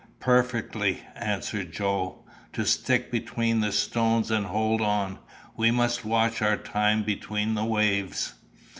"Perfectly," answered Joe. "To stick between the stones and hold on. We must watch our time between the waves."